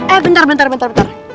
eh bentar bentar bentar